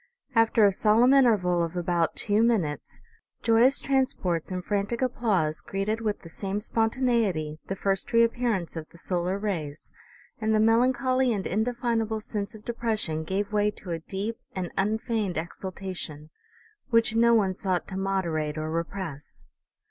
After a sol emn interval of about two minutes, joyous transports and frantic applause greeted with the same spontaneity the first reappearance of the solar rays, and the melancholy and indefinable sense of depression gave way to a deep and un feigned exultation which no one sought to moderate or repress."